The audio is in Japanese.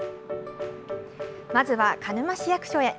まずは鹿沼市役所へ。